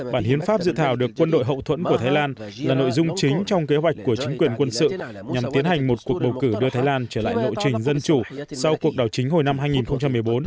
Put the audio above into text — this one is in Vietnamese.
bản hiến pháp dự thảo được quân đội hậu thuẫn của thái lan là nội dung chính trong kế hoạch của chính quyền quân sự nhằm tiến hành một cuộc bầu cử đưa thái lan trở lại lộ trình dân chủ sau cuộc đảo chính hồi năm hai nghìn một mươi bốn